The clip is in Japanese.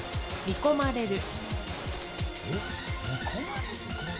見込まれる？